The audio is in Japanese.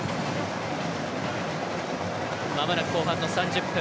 まもなく後半の３０分。